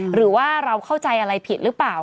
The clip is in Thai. หรือว่าเราเข้าใจอะไรผิดหรือเปล่า